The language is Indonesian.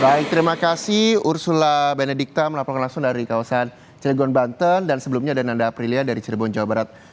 baik terima kasih ursula benedikta melaporkan langsung dari kawasan cilegon banten dan sebelumnya ada nanda aprilia dari cirebon jawa barat